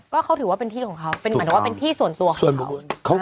ก็เขาถือเป็นที่ส่วนสั้นวงของเขา